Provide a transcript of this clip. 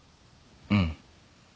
うん。